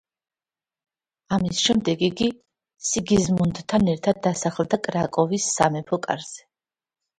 ამის შემდეგ იგი სიგიზმუნდთან ერთად დასახლდა კრაკოვის სამეფო კარზე.